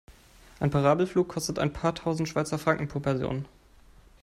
Ein Parabelflug kostet ein paar tausend Schweizer Franken pro Person.